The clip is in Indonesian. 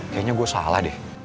kayaknya gue salah deh